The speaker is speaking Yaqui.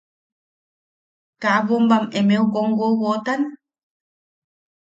–¿Kaa bombam emeu kom wowotan?